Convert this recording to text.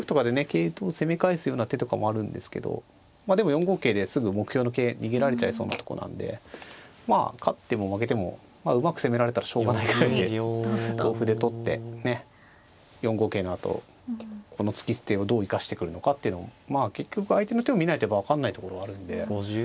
桂頭を攻め返すような手とかもあるんですけどでも４五桂ですぐ目標の桂逃げられちゃいそうなとこなんでまあ勝っても負けてもうまく攻められたらしょうがないぐらいで同歩で取って４五桂のあとこの突き捨てをどう生かしてくるのかっていうのも結局相手の手を見ないと分かんないところあるんで。